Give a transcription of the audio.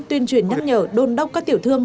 tuyên truyền nhắc nhở đôn đốc các tiểu thương